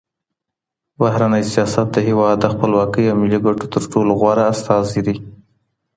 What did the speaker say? بهرنی سیاست د هیواد د خپلواکۍ او ملي ګټو تر ټولو غوره استازی دی.